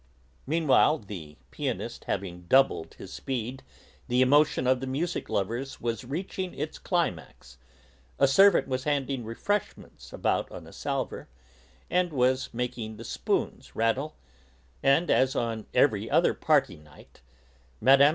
Meanwhile, the pianist having doubled his speed, the emotion of the music lovers was reaching its climax, a servant was handing refreshments about on a salver, and was making the spoons rattle, and, as on every other 'party night', Mme.